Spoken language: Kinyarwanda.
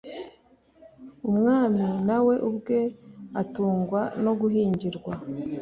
umwami na we ubwe atungwa no guhingirwa